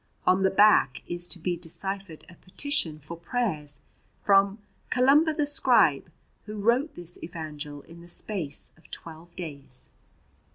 On the back is to be deciphered a petition for prayers from "Columba the scribe, who wrote this evangel in the space of twelve days."